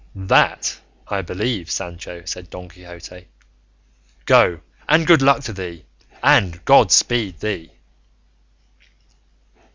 "That I believe, Sancho," said Don Quixote; "go and good luck to thee, and God speed thee."